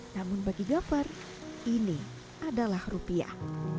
namun bagi gafar ini adalah rupiah